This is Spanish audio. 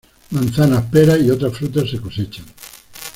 Manzanas, peras y otras frutas se cosechan.